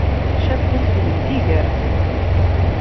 Cabḥa ur tefhim tigert